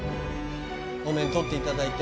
お面取っていただいて。